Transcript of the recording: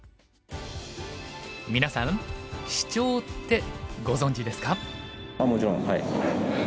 みなさん「シチョウ」ってご存じですか？